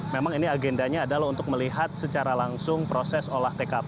memang ini agendanya adalah untuk melihat secara langsung proses olah tkp